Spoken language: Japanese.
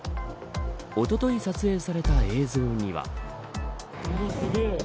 おととい撮影された映像には。